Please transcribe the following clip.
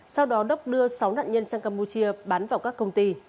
sau đó đốc đưa sáu nạn nhân sang campuchia bán vào các công ty